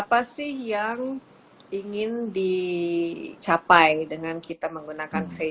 apa sih yang ingin dicapai dengan kita menggunakan faceboo